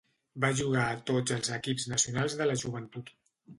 Va jugar a tots els equips nacionals de la joventut.